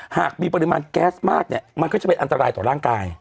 หากมีปริมาณแก๊สมากเนี่ยมันก็จะเป็นอันตรายต่อร่างกาย